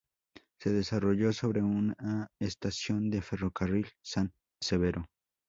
Se desarrolló sobre una estación de ferrocarril: San Severo.